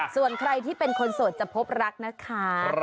ส่วนใครที่เป็นคนโสดจะพบรักนะคะ